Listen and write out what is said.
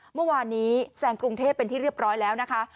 เมื่อวานนี้แซงกรุงเทพเป็นที่เรียบร้อยแล้วนะคะ